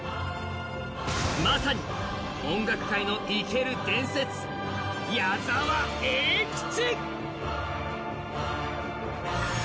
まさに、音楽会の生ける伝説矢沢永吉。